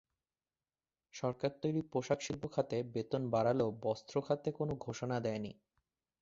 সরকার তৈরি পোশাকশিল্প খাতে বেতন বাড়ালেও বস্ত্র খাতে কোনো ঘোষণা দেয়নি।